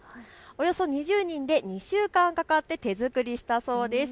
およそ２０人で２週間かかって手作りしたそうです。